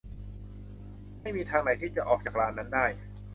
ไม่มีทางไหนที่จะออกจากลานนั้นได้